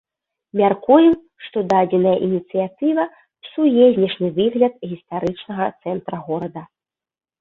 Мяркуем, што дадзеная ініцыятыва псуе знешні выгляд гістарычнага цэнтра горада.